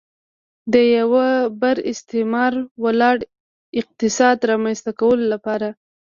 د یوه پر استثمار ولاړ اقتصاد رامنځته کولو لپاره.